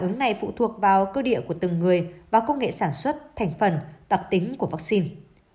nghệ phụ thuộc vào cơ địa của từng người và công nghệ sản xuất thành phần tập tính của vaccine